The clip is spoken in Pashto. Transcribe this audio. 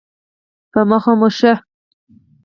په مخه مو ښه؟